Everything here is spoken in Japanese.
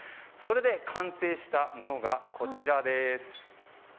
完成したものがこちらです。